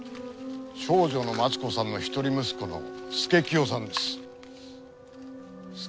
長女の松子さんの一人息子の佐清さんです。